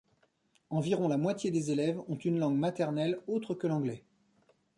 Environ la moitié des élèves ont une langue maternelle autre que l'anglais.